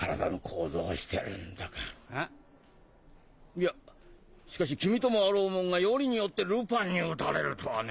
いやしかし君ともあろうもんがよりによってルパンに撃たれるとはね。